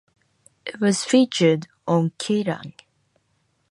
It was featured on Kerrang!